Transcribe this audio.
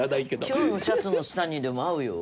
今日のシャツの下にでも合うよ。